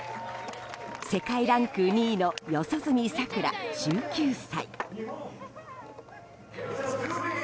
世界ランク２位の四十住さくら、１９歳。